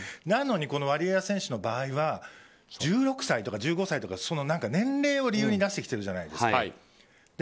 なのに、ワリエワ選手の場合は１６歳とか１５歳とか年齢を理由に出してきてるじゃないですか。